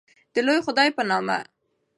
د لوی خدای په نامه